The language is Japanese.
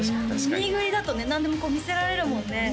ミーグリだとね何でも見せられるもんね